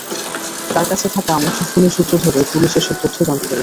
তাঁর কাছে থাকা মুঠোফোনের সূত্র ধরে পুলিশ এসব তথ্য জানতে পেরেছে।